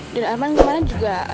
dan arman kemarin juga